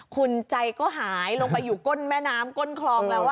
คุณใจก็หายลงไปอยู่ก้นแม่น้ำก้นคลองแล้ว